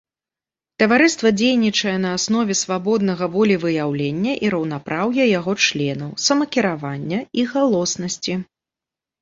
Таварыства дзейнічае на аснове свабоднага волевыяўлення і раўнапраўя яго членаў, самакіравання і галоснасці.